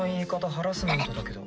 ハラスメントだけど。